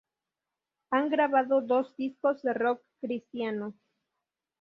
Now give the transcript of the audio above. Han grabado dos discos de rock cristiano.